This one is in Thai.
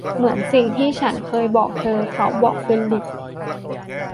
เหมือนสิ่งที่ฉันเคยบอกเธอ เขาบอกฟิลิป